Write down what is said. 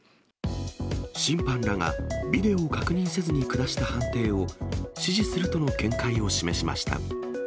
審判らがビデオを確認せずに下した判定を、支持するとの見解を示しました。